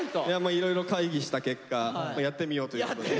いろいろ会議した結果やってみようということで。